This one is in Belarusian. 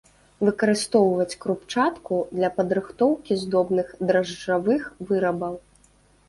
Выкарыстоўваюць крупчатку для падрыхтоўкі здобных дражджавых вырабаў.